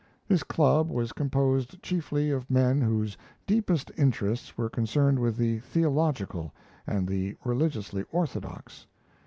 This club was composed chiefly of men whose deepest interests were concerned with the theological and the religiously orthodox.